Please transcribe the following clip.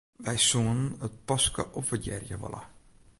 Wy soenen it paske opwurdearje wolle.